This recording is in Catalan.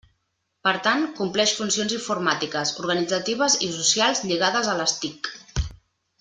Per tant, compleix funcions informàtiques, organitzatives i socials lligades a les TIC.